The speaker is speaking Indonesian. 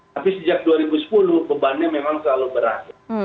tapi sejak dua ribu sepuluh bebannya memang selalu berat